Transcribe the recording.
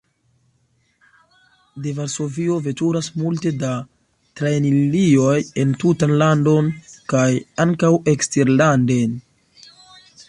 De Varsovio veturas multe da trajnlinioj en tutan landon kaj ankaŭ eksterlanden.